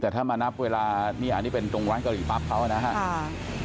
แต่ถ้าเมื่อนับเวลานี่เป็นร้านกะหรี่ป้าปเค้านะครับ